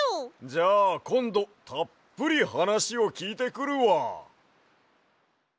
じゃあこんどたっぷりはなしをきいてくるわ。